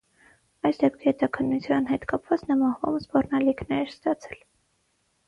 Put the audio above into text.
Այս դեպքի հետաքննության հետ կապված նա մահվան սպառնալիքներ էր ստացել.։